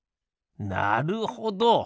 なるほど！